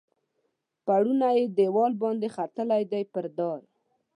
پوړونی یې دیوال باندې ختلي دي پر دار